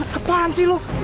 kepaan sih lu